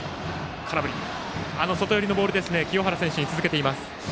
外寄りのボールを清原選手に続けています。